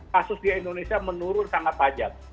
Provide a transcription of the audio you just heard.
kasus di indonesia menurun sangat tajam